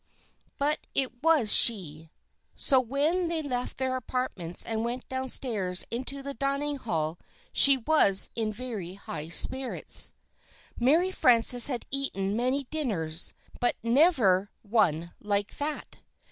But it was she. So when they left their apartments and went downstairs into the dining hall, she was in very high spirits. Mary Frances had eaten many dinners, but never one like that.